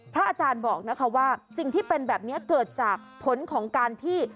อาจารย์บอกนะคะว่าสิ่งที่เป็นแบบนี้เกิดจากผลของการที่